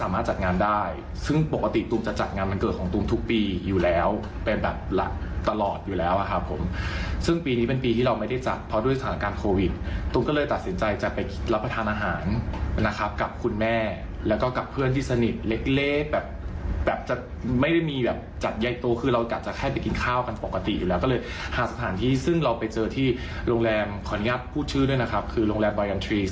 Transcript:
ามารถจัดงานได้ซึ่งปกติตุ้มจะจัดงานมันเกิดของตุ้มทุกปีอยู่แล้วเป็นแบบหลักตลอดอยู่แล้วอ่ะครับผมซึ่งปีนี้เป็นปีที่เราไม่ได้จัดเพราะด้วยสถานการณ์โควิดตุ้มก็เลยตัดสินใจจะไปรับประทานอาหารนะครับกับคุณแม่แล้วก็กับเพื่อนที่สนิทเล็กเล่แบบแบบจะไม่ได้มีแบบจัดใยโตคือเราอากาศจะแค่ไปกิ